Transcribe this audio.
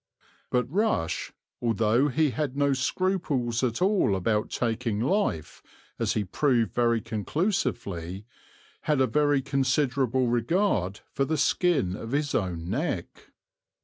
But Rush, although he had no scruples at all about taking life, as he proved very conclusively, had a very considerable regard for the skin of his own neck.